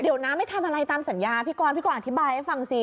เดี๋ยวนะไม่ทำอะไรตามสัญญาพี่กรพี่กรอธิบายให้ฟังสิ